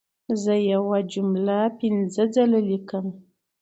زه یوه جمله پنځه ځله لیکم.